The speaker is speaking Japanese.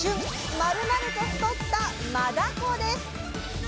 まるまると太った「マダコ」です。